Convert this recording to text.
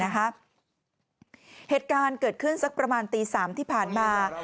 เหตุการณ์เกิดขึ้นสักประมาณตี๓ที่ผ่านมา